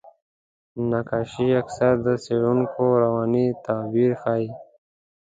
نقاشي اکثره د څېړونکو رواني تعبیر ښيي.